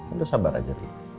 udah sabar aja